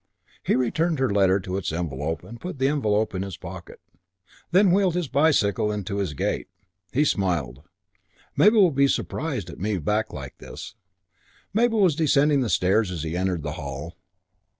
He returned her letter to its envelope and put the envelope in his pocket. Then wheeled his bicycle into his gate. He smiled. "Mabel will be surprised at me back like this." Mabel was descending the stairs as he entered the hall.